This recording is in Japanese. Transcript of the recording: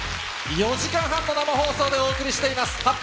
４時間半の生放送でお送りしています、発表！